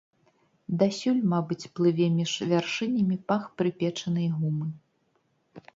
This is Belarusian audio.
Дасюль, мабыць, плыве між вяршынямі пах прыпечанай гумы.